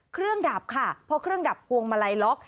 เครื่องดับค่ะเพราะเครื่องดับพวงมาลัยล็อก